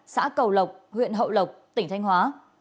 xã cầu lộc huyện hậu lộc tỉnh thanh hóa